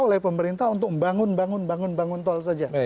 oleh pemerintah untuk membangun bangun tol saja